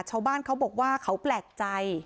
ชาวบ้านเขาบอกว่าเขาแปลกใจ